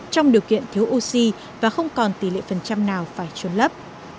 trong điều kiện thiếu oxy và không còn tỷ lệ phần trăm nào phải trôn lấp